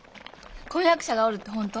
婚約者がおるってほんと？